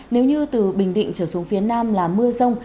nếu như từ bình định trở xuống phía nam là mưa rông